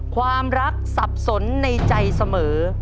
ความรักสับสนในใจเสมอ